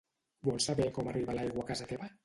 Vols saber com arriba l'aigua a casa teva?